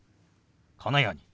このように。